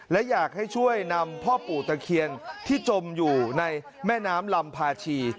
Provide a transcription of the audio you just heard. และอยากให้ช่วยนำพ่อปู่ตะเคียนที่จมอยู่ในแม่น้ำลำพาชี